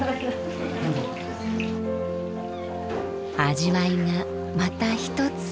味わいがまた一つ。